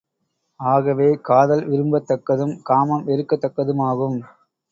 ஆகவே, காதல் விரும்பத் தக்கதும், காமம் வெறுக்கத் தகுந்ததுமாகும்.